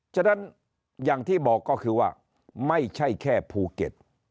ฉะนั้นอย่างที่บอกก็คือว่าไม่ใช่แค่ภูเก็ต